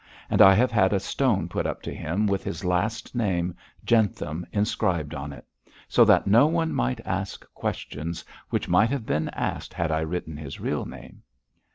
And I have had a stone put up to him, with his last name, "Jentham," inscribed on it, so that no one might ask questions, which would have been asked had I written his real name.'